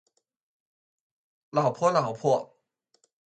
脑婆脑婆